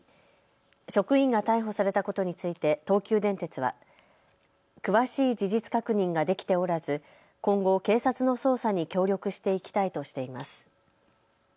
職員が逮捕されたことについて東急電鉄は詳しい事実確認ができておらず今後、警察の捜査に協力していきたいとしています。